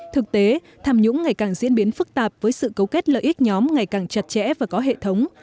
thực tế tham nhũng ngày càng diễn biến phức tạp với sự cấu kết lợi ích nhóm ngày càng chặt chẽ và có hệ thống